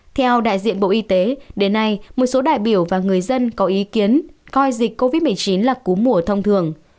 theo đại diện bộ y tế đến nay một số đại biểu và người dân có ý kiến coi dịch covid một mươi chín là cú mùa thông thường